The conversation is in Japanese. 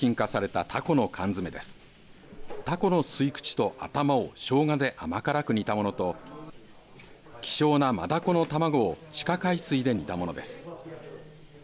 たこの吸い口と頭をしょうがで甘辛く煮たものと希少なマダコの卵を地下海水で煮たものです。